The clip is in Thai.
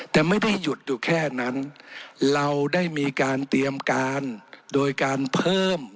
แต่ไม่ได้หยุดอยู่แค่นั้นเราได้มีการเตรียมการโดยการเพิ่ม